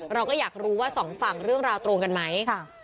เราก็อยากรู้ว่าสองฝั่งเรื่องราวตรงกันไหม